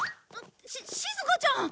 ししずかちゃん！